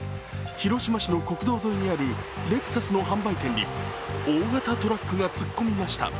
広島市の国道沿いにあるレクサスの販売店に大型トラックが突っ込みました。